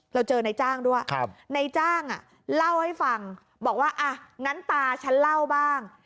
เราเจอนายจ้างด้วยนายจ้างเล่าให้ฟังบอกว่าอ่ะงั้นตาฉันเล่าบ้าง